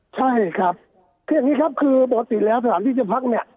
ใช่ครับคืออย่างนี้ครับคือปกติแล้วสถานที่จะพักเนี่ย